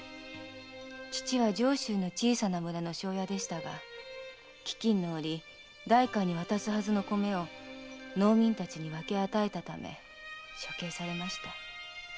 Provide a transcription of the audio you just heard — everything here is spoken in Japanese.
父は上州の小さな村の庄屋でしたが飢饉のおり代官に渡すはずの米を農民たちに分け与えたため処刑されました。